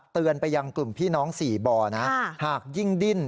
เตือนไปยังกลุ่มพี่น้องสี่บ่อนะหากยิ่งดิ้น